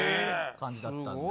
感じだったんで。